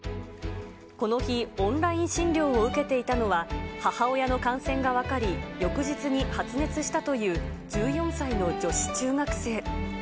この日、オンライン診療を受けていたのは、母親の感染が分かり、翌日に発熱したという１４歳の女子中学生。